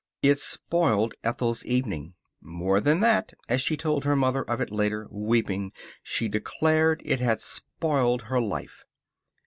It spoiled Ethel's evening. More than that, as she told her mother of it later, weeping, she declared it had spoiled her life.